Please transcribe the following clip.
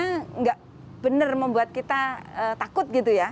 karena enggak benar membuat kita takut gitu ya